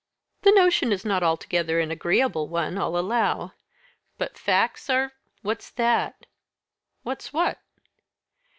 "The notion is not altogether an agreeable one, I'll allow; but facts are " "What's that?" "What's what?"